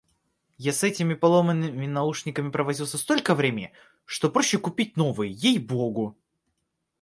Я с этими поломанными наушниками провозился столько времени, что проще купить новые, ей богу!